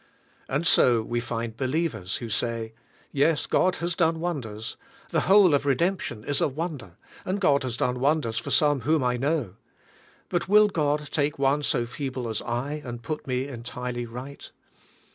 And so we find believers who say, "Yes, God has done wonders. The whole of redemption is a wonder, and God has done won ders for some whom I know. But will God take one so feeble as I, and put me entirely right?"